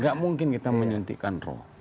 gak mungkin kita menyuntikkan roh